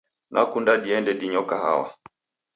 Nakunde diende dinyo kahawa.